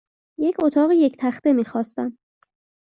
یک اتاق یک تخته میخواستم.